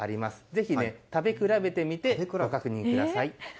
ぜひね、食べ比べてみてご確認ください。